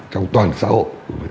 trong toàn xã hội